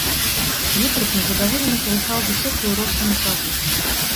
Ветрык нездаволена калыхаў высокую росную траву.